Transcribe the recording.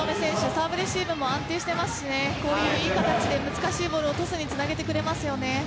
サーブレシーブも安定していますしいい形で難しいボールをトスにつなげてくれますよね。